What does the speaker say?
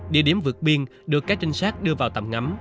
địa điểm vượt biên được các trinh sát đưa vào tầm ngắm